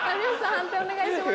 判定お願いします。